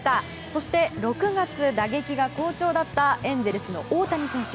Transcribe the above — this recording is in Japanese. そして、６月、打撃が好調だったエンゼルスの大谷選手。